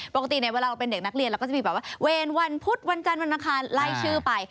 ปกติเนี่ยเวลาเราเป็นเด็กนักเรียนเราก็จะมีแบบว่าเวรวันพุธวันจันทร์วันอังคารไล่ชื่อไป